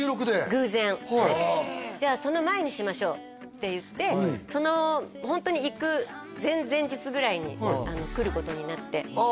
偶然「じゃあその前にしましょう」って言ってそのホントに行く前々日ぐらいに来ることになってああ